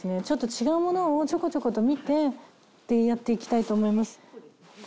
ちょっと違うものをちょこちょこと見てってやっていきたいと思います。